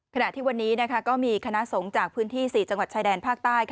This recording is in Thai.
ขณะที่วันนี้ก็มีคณะสงฆ์จากพื้นที่๔จังหวัดชายแดนภาคใต้